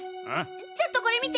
ちょっとこれ見て！